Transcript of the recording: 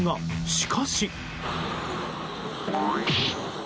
しかし。